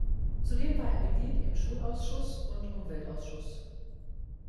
Zudem war er Mitglied im Schulausschuss und Umweltausschuss.